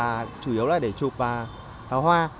và chủ yếu là để chụp và tháo hoa